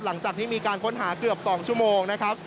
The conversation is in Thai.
หลังจากที่มีการค้นหาเกือบ๒ชั่วโมงนะครับ